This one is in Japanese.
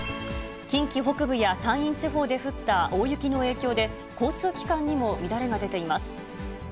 近畿北部や山陰地方で降った大雪の影響で、交通機関にも乱れが出ています。